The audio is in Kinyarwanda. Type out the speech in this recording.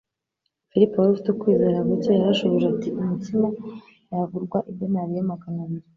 Filipo wari ufite kwizera guke yarashubije ati : "Imitsima yagurwa idenariyo magana abiri